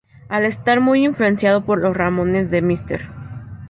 Al estar muy influenciado por los Ramones, The Mr.